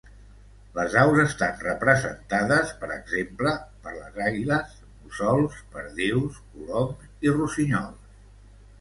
Les aus estan representades per exemple, per les àguiles, mussols, perdius, coloms i rossinyols.